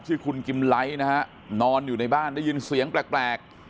ชื่อคุณกิมไลท์นะฮะนอนอยู่ในบ้านได้ยินเสียงแปลก